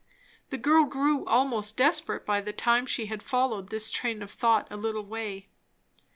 The girl grew almost desperate by the time she had followed this train of thought a little way.